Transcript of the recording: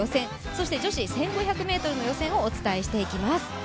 そして女子１５００ｍの予選をお伝えしていきます。